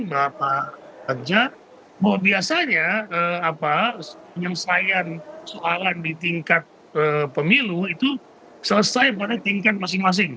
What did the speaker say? bapak raja bahwa biasanya penyelesaian soalan di tingkat pemilu itu selesai pada tingkat masing masing